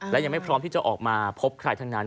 และยังไม่พร้อมที่จะออกมาพบใครทั้งนั้น